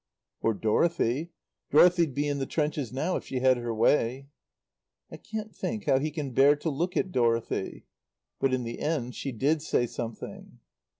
"Or Dorothy. Dorothy'd be in the trenches now if she had her way." "I can't think how he can bear to look at Dorothy." But in the end she did say something.